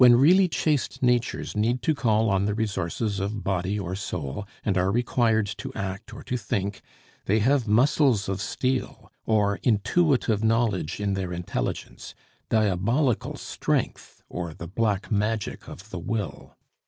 When really chaste natures need to call on the resources of body or soul, and are required to act or to think, they have muscles of steel, or intuitive knowledge in their intelligence diabolical strength, or the black magic of the Will.